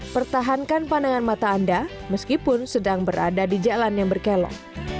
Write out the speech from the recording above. pertahankan pandangan mata anda meskipun sedang berada di jalan yang berkelok